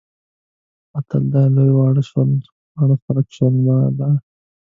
متل دی لوی واړه شول، واړه خلک شول بالا.